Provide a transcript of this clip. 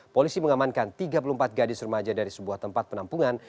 polisi mengamankan tiga puluh empat gadis remaja dari sebuah tempat penampungan